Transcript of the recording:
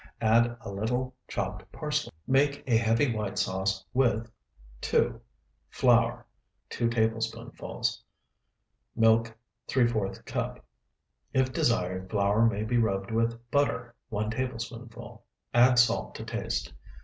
Add a little Chopped parsley. Make a heavy white sauce with (2) Flour, 2 tablespoonfuls. Milk, ¾ cup. If desired, flour may be rubbed with Butter, 1 tablespoonful. Add salt to taste.